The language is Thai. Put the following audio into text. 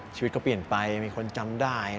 ชีวิตก็เปลี่ยนไปมีคนจำได้